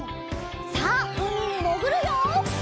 さあうみにもぐるよ！